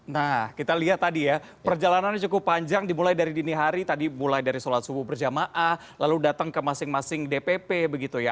nah kita lihat tadi ya perjalanannya cukup panjang dimulai dari dini hari tadi mulai dari sholat subuh berjamaah lalu datang ke masing masing dpp begitu ya